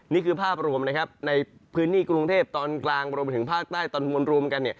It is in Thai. นี่คือภาพรวมในพื้นที่กรุงเทพตอนกลางรวมไปถึงภาคใต้ตอนบนรวมกัน